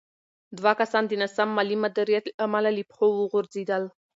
دوه کسان د ناسم مالي مدیریت له امله له پښو وغورځېدل.